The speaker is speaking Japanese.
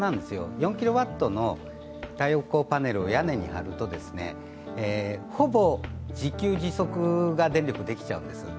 ４キロワットの太陽光パネルを屋根に張るとほぼ自給自足が電力できちゃうんですよ。